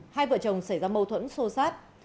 hai vợ chồng xảy ra mâu thuẫn sô sát